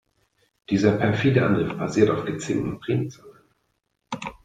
Dieser perfide Angriff basiert auf gezinkten Primzahlen.